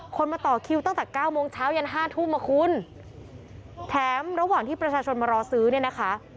มาต่อคิวตั้งแต่เก้าโมงเช้ายันห้าทุ่มอ่ะคุณแถมระหว่างที่ประชาชนมารอซื้อเนี่ยนะคะ